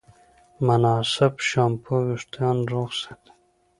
مناسب شامپو وېښتيان روغ ساتي.